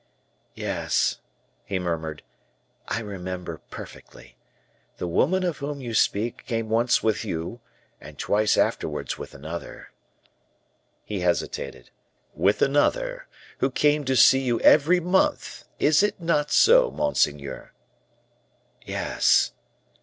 "Yes," he murmured, "I remember perfectly. The woman of whom you speak came once with you, and twice afterwards with another." He hesitated. "With another, who came to see you every month is it not so, monseigneur?" "Yes."